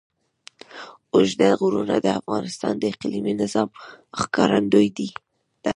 اوږده غرونه د افغانستان د اقلیمي نظام ښکارندوی ده.